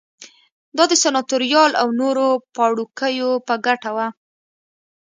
دا د سناتوریال او نورو پاړوکیو په ګټه وه